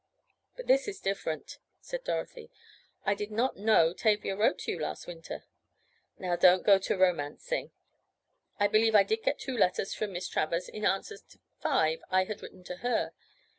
"But this is different," said Dorothy. "I did not know Tavia wrote to you last winter." "Now don't go to romancing. I believe I did get two letters from Miss Travers in answer to five I had written to her.